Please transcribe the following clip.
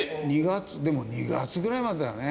でも２月ぐらいまでだね。